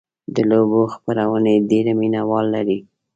د لوبو خپرونې ډېر مینهوال لري.